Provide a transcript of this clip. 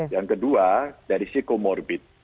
yang kedua dari psikomorbid